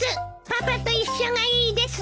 パパと一緒がいいです！